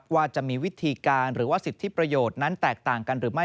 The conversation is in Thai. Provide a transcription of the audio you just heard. ว่าจะมีวิธีการหรือว่าสิทธิประโยชน์นั้นแตกต่างกันหรือไม่